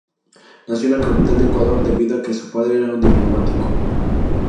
Nació en la capital de Ecuador debido a que su padre era un diplomático.